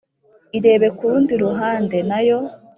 ireba kurundi ruhande, nayo,